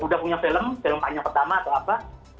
udah punya film film tanya pertama atau apa